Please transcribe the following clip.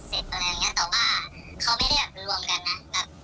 มีอย่างคน๒คนนั่งด้วยกันแบบใกล้แล้วก็มืดอะไรอย่างนี้